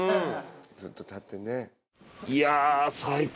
ずっと立ってね。